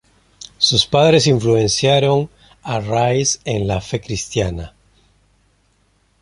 Sus padres influenciaron a Rice en la fe cristiana.